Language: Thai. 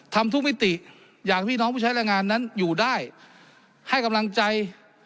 ทำทุกมิติอย่างพี่น้องผู้ใช้แรงงานนั้นอยู่ได้ให้กำลังใจ